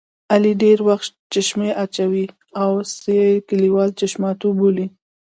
علي ډېری وخت چشمې اچوي اوس یې کلیوال چشماټو بولي.